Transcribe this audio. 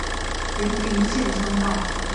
雲林縣鄉道